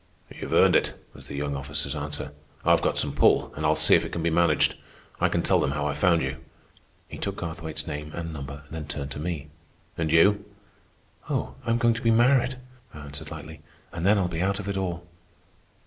"You've earned it," was the young officer's answer. "I've got some pull, and I'll see if it can be managed. I can tell them how I found you." He took Garthwaite's name and number, then turned to me. "And you?" "Oh, I'm going to be married," I answered lightly, "and then I'll be out of it all."